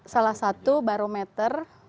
salah satu barometer